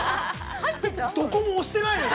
どこも押してないよ。